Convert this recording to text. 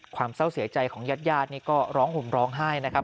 ความเศร้าเสียใจของญาติญาตินี่ก็ร้องห่มร้องไห้นะครับ